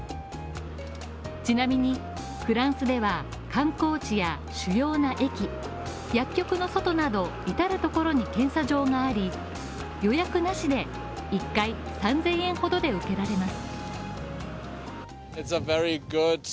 ちなみにフランスでは、観光地や主要な駅薬局の外など、いたるところに検査場があり、予約なしで１回３０００円ほどで受けられます。